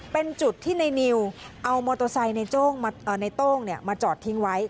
เป็นจุดที่นายนิวเอามอโตซัยในโต้งมาจอดทิ้งไว้